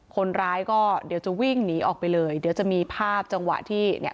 คนร้ายก็เดี๋ยวจะวิ่งหนีออกไปเลยเดี๋ยวจะมีภาพจังหวะที่เนี่ย